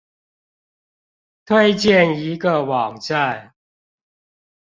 推薦一個網站